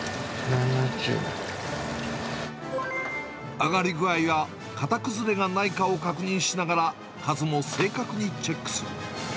揚がり具合や型崩れがないかを確認しながら、数も正確にチェックする。